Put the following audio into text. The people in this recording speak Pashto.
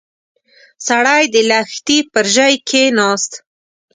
سړی د لښتي پر ژۍ کېناست.